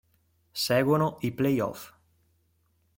Seguono i playoff.